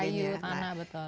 air kayu tanah betul